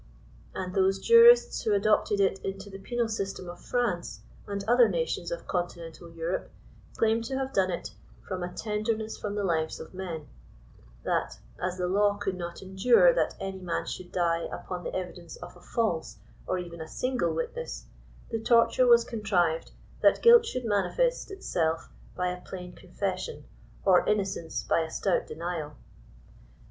And those jurists who adopted it into the penal system of France and other nations of continental Europe, claimed to have done it «• from a tenderness for the lives of men ;" that as the law could not endure that any man should die upon the evidence of a false, or even a single witness, the torture was contrived that guilt should manifest itself by a plain confession, or innocence by a stout denial."